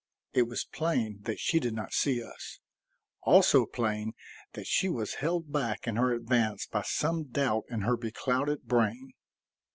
It was plain that she did not see us; also plain that she was held back in her advance by some doubt in her beclouded brain.